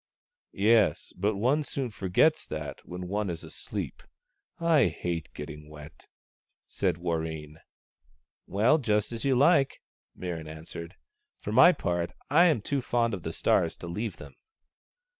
" Yes, but one soon forgets that when one is asleep. I hate getting wet," said Warreen. " Well, just as you like," Mirran answered. " For my part, I am too fond of the stars to leave them."